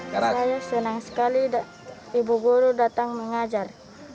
saya senang sekali ibu guru datang mengajar